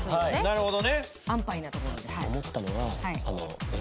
なるほど。